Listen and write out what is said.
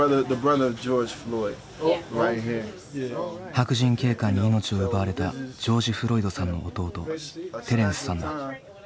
白人警官に命を奪われたジョージ・フロイドさんの弟テレンスさんだ。